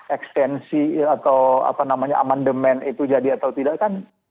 extensive atau apa namanya amandemen itu jadi atau tidak